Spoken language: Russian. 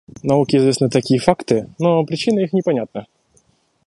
Науке известны такие факты, но причины их непонятны.